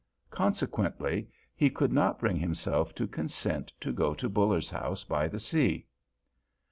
Consequently he could not bring himself to consent to go to Buller's house by the sea.